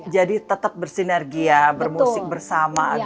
jadi tetap bersinergia bermusik bersama